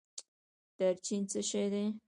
دارچینی څه شی دی؟